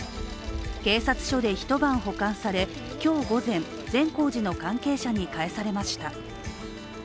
警察署で一晩保管され今日午前、善光寺の関係者に返されました。